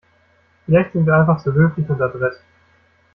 Vielleicht sind wir einfach zu höflich und adrett.